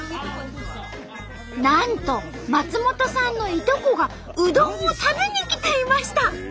なんと松本さんのいとこがうどんを食べに来ていました。